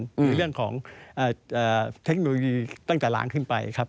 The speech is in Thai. หรือเรื่องของเทคโนโลยีตั้งแต่ล้างขึ้นไปครับ